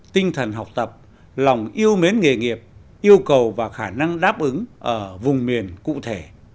tinh thần học tập lòng yêu mến nghề nghiệp yêu cầu và khả năng đáp ứng ở vùng miền cụ thể